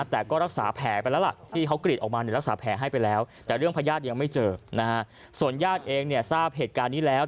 แต่ก็รักษาแผลไปแล้วล่ะ